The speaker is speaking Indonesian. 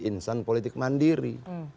insan politik mandiri